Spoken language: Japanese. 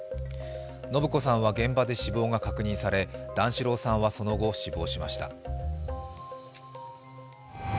延子さんは現場で死亡が確認され、段四郎さんはその後死亡しました。